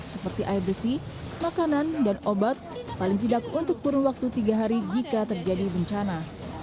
seperti air besi makanan dan obat paling tidak untuk kurun waktu tiga hari jika terjadi bencana